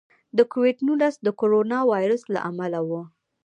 د کوویډ نولس د کورونا وایرس له امله و.